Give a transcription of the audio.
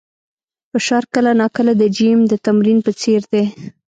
فشار کله ناکله د جیم د تمرین په څېر دی.